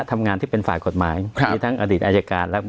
ทำงานที่เป็นฝ่ายกฎหมายมีทั้งอดีตอายการและ